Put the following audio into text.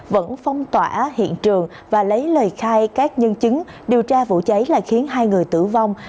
vẫn phong tỏa hiện trường và lấy lời khai các nhân chứng điều tra vụ cháy là khiến hai người tử vong